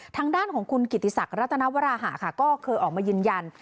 ทางด้านของคุณกิติศักดิรัตนวราหะค่ะก็เคยออกมายืนยัน